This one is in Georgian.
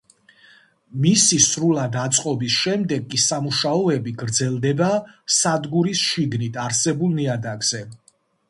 მისი სრულად აწყობის შემდეგ კი სამუშაოები გრძელდება სადგურის შიგნით არსებულ ნიადაგზე.